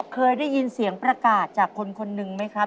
เคยได้ยินเสียงประกาศจากคนคนหนึ่งไหมครับ